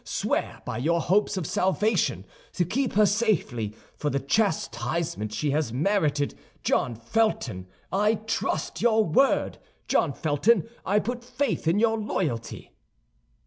Swear, by your hopes of salvation, to keep her safely for the chastisement she has merited. John Felton, I trust your word! John Felton, I put faith in your loyalty!"